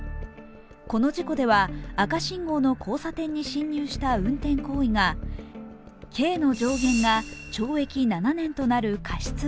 この事故では赤信号の交差点に進入した運転行為が、刑の上限が懲役７年となる過失